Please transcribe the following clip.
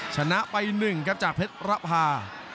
ชนะไป๑ครับจากเพชรระพา